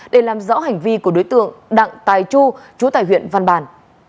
để làm rõ hành vi của đối tượng đặng tài chu trú tại huyện văn bàn